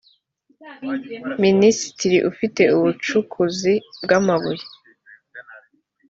minisitiri ufite ubucukuzi bw amabuye